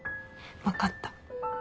分かった。